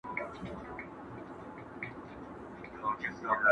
د ازلي قهرمانانو وطن،